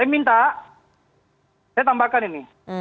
saya minta saya tambahkan ini